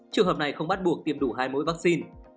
trường hợp này không bắt buộc tiêm đủ hai mũi vaccine